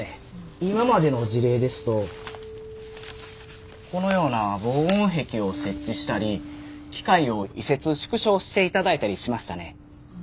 今までの事例ですとこのような防音壁を設置したり機械を移設縮小していただいたりしましたね。